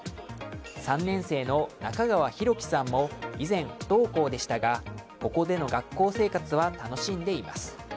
３年生の中川大貴さんも以前、不登校でしたがここでの学校生活は楽しんでいます。